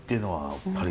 やっぱり。